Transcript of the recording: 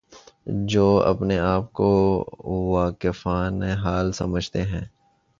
جو اپنے آپ کو واقفان حال سمجھتے ہیں۔